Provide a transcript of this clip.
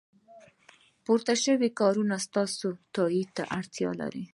پورته شوی کار ستاسو تایید ته اړتیا لري.